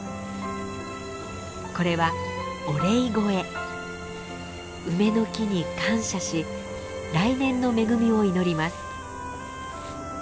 これは梅の木に感謝し来年の恵みを祈ります。